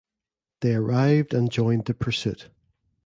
They arrived and joined the pursuit.